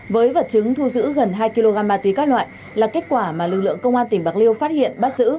với vật chứng thu giữ gần hai kg ma túy các loại là kết quả mà lực lượng công an tỉnh bạc liêu phát hiện bắt giữ